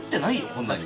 こんなに。